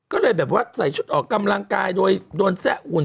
ก็เลยแบบว่าใส่ชุดออกกำลังกายโดยโดนแซะอุ่น